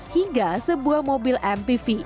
hingga sebuah mobil mp tiga